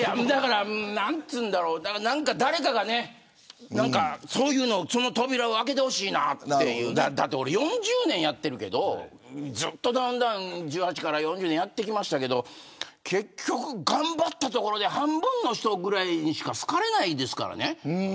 誰かがねその扉を開けてほしいなっていうだって俺、４０年やってるけどずっとダウンタウン１８歳から４０年やってきましたけど結局、頑張ったところで半分の人ぐらいにしか好かれないですからね。